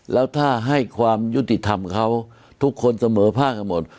แล้วถ้าให้ความยุติธรรมเขาทุกคนเสมอภาคกันหมด